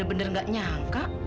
aku bener bener gak nyangka